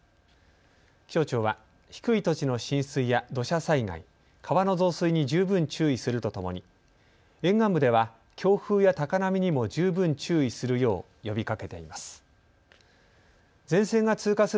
気象庁は低い土地の浸水や土砂災害、川の増水に十分注意するとともに沿岸部では強風や高波にも十分注意するよう呼びかけています。